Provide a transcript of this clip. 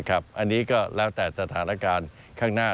อันนี้ก็แล้วแต่สถานการณ์ข้างหน้า